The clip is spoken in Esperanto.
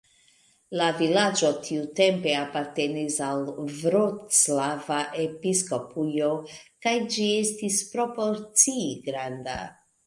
La vilaĝo tiutempe apartenis al vroclava episkopujo kaj ĝi estis proporcie granda.